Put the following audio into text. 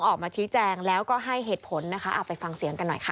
ออกมาชี้แจงแล้วก็ให้เหตุผลนะคะไปฟังเสียงกันหน่อยค่ะ